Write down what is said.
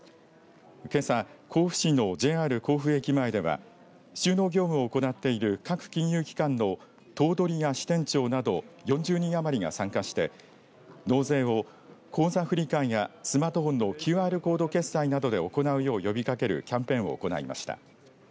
けさ、甲府市のＪＲ甲府駅前では収納業務を行っている各金融機関の頭取や支店長など４０人余りが参加して納税を口座振替やスマートフォンのＱＲコード決済などで行うよう呼びかけるキャンペーンを行いました。